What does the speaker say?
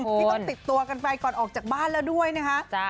ที่ต้องติดตัวกันไปก่อนออกจากบ้านแล้วด้วยนะคะ